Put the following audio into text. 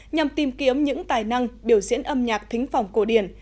nhằm tìm kiếm những tài năng biểu diễn âm nhạc thính phòng cổ điển